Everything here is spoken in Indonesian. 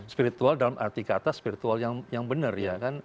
spiritual dalam arti kata spiritual yang benar ya kan